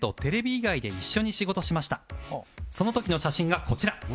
その時の写真がこちら